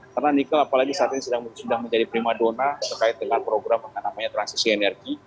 karena nikel apalagi saat ini sudah menjadi prima dona terkait dengan program yang namanya transisi energi